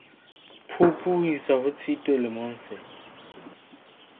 Phupu ho isa ho Tshitwe lemong sena.